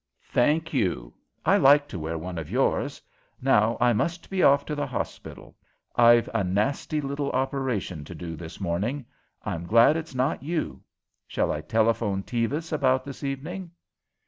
"Thank you. I like to wear one of yours. Now I must be off to the hospital. I've a nasty little operation to do this morning. I'm glad it's not you. Shall I telephone Tevis about this evening?"